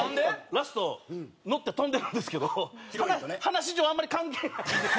ラスト乗って飛んでるんですけど話上あんまり関係ない。